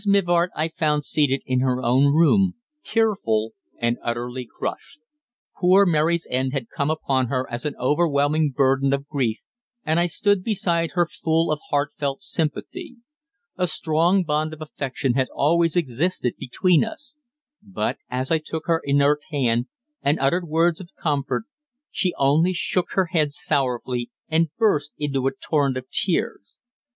Mivart I found seated in her own room, tearful and utterly crushed. Poor Mary's end had come upon her as an overwhelming burden of grief, and I stood beside her full of heartfelt sympathy. A strong bond of affection had always existed between us; but, as I took her inert hand and uttered words of comfort, she only shook her head sorrowfully and burst into a torrent of tears.